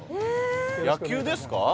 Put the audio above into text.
野球ですか？